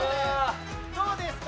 どうですか？